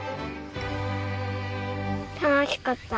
楽しかった。